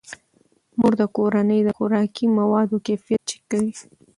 مور د کورنۍ د خوراکي موادو کیفیت چک کوي.